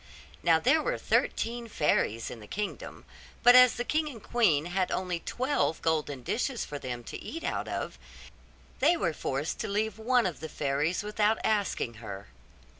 Now there were thirteen fairies in the kingdom; but as the king and queen had only twelve golden dishes for them to eat out of, they were forced to leave one of the fairies without asking her.